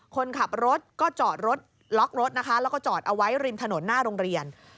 คนขับรถก็จอดรถล็อกรถนะคะแล้วก็จอดเอาไว้ริมถนนหน้าโรงเรียน